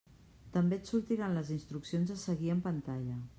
També et sortiran les instruccions a seguir en pantalla.